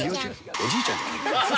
おじいちゃんじゃないよ。